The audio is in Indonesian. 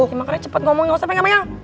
ya makanya cepet ngomong gak usah pengen pengen